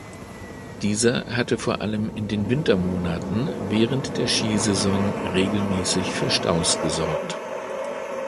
Dieser hatte vor allem in den Wintermonaten während der Skisaison regelmässig für Staus gesorgt.